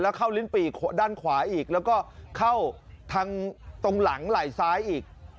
เข้าลิ้นปีกด้านขวาอีกแล้วก็เข้าทางตรงหลังไหล่ซ้ายอีก